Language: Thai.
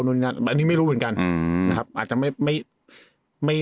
อนี้ไม่รู้เหมือนกัน